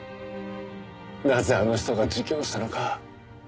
なぜあの人が自供したのか。